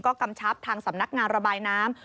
ก็กำชับทางสำนักงานระบายน้ำ